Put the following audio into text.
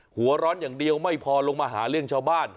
หัวร้อนอย่างเดียวไม่พอลงมาหาเรื่องชาวบ้าน